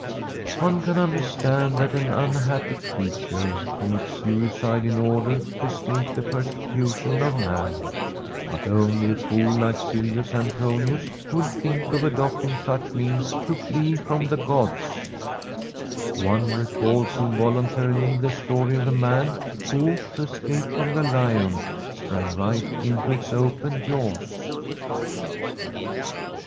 One can understand that an unhappy creature commits suicide in order to escape the persecu tion of man ; but only a fool like Silvius Antonius couUI think of adopting such means to flee from the j^^dj*' ^^"c recalls involuntarily the story of the man who, to escape from the lion, sprang right inti> its open jaws.